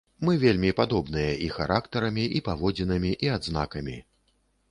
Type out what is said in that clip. Мы вельмі падобныя і характарамі, і паводзінамі, і адзнакамі.